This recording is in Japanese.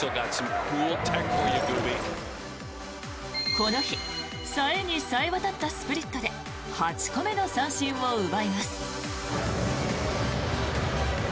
この日、冴えに冴えわたったスプリットで８個目の三振を奪います。